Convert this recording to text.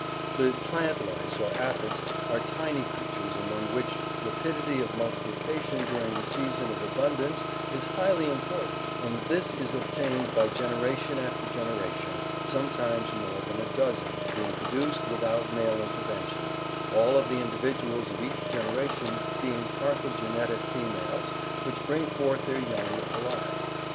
The plant lice or aphids are tiny creatures among which rapidity of multiplication during the season of abundance is highly important and this is obtained by generation after generation, sometimes more than a dozen, being produced without male inter vention, all of the individuals of each generation being partheno genetic females which bring forth their young alive.